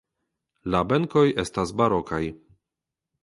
La benkoj estas barokaj.